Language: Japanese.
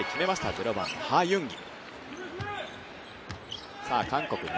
０番のハ・ユンギ。